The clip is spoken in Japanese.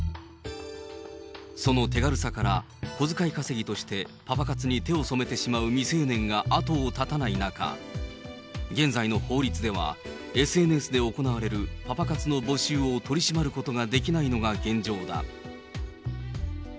その手軽さから、小遣い稼ぎとして、パパ活に手を染めてしまう未成年が後を絶たない中、現在の法律では、ＳＮＳで行われるパパ活の募集を取り締まることができないのが現状だ。